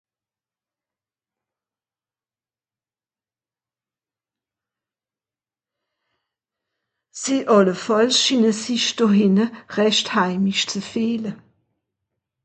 Sie àllefàlls schiine sich do hìnne rächt heimisch ze fìehle.